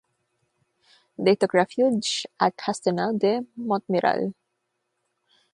They took refuge at Castelnau-de-Montmiral.